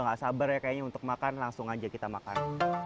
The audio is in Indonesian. gak sabar ya kayaknya untuk makan langsung aja kita makan